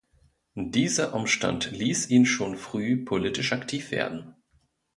Dieser Umstand ließ ihn schon früh politisch aktiv werden.